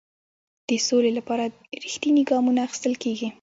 د سولې لپاره رښتیني ګامونه اخیستل کیږي.